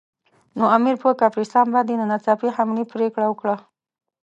نو امیر پر کافرستان باندې د ناڅاپي حملې پرېکړه وکړه.